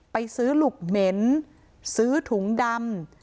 ไปซื้อหลุกเหม็นซื้อถุงดำ